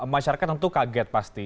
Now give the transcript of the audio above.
masyarakat tentu kaget pasti